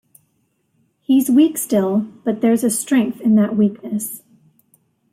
He's weak still, but there's a strength in that weakness.